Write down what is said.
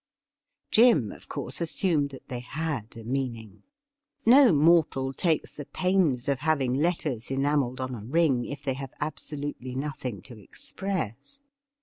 Jim, of course, assumed that they had a meaning ; no mortal takes the pains of having letters enamelled on a ring if they have absolutely nothing to express.